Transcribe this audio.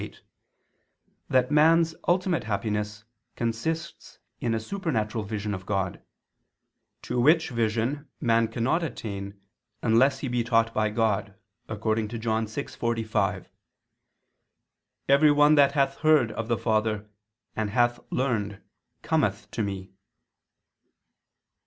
8) that man's ultimate happiness consists in a supernatural vision of God: to which vision man cannot attain unless he be taught by God, according to John 6:45: "Every one that hath heard of the Father and hath learned cometh to Me."